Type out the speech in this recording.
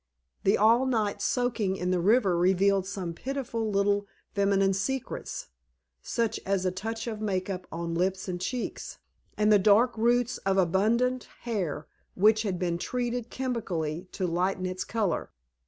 The all night soaking in the river revealed some pitiful little feminine secrets, such as a touch of make up on lips and cheeks, and the dark roots of abundant hair which had been treated chemically to lighten its color.